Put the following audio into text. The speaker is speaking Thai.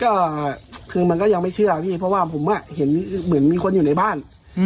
ก็คือมันก็ยังไม่เชื่อพี่เพราะว่าผมเห็นเหมือนมีคนอยู่ในบ้าน